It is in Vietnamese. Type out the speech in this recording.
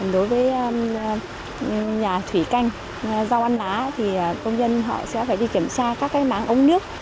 đối với nhà thủy canh rau ăn lá thì công nhân họ sẽ phải đi kiểm tra các cái máng ống nước